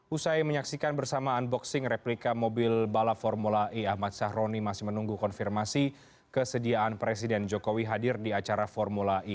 usai menyaksikan bersama unboxing replika mobil balap formula e ahmad syahroni masih menunggu konfirmasi kesediaan presiden jokowi hadir di acara formula e